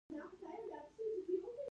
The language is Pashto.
د ویښتو د ماتیدو لپاره کوم تېل وکاروم؟